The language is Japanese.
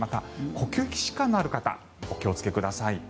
呼吸器疾患のある方お気をつけください。